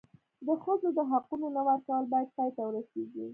د ښځو د حقونو نه ورکول باید پای ته ورسېږي.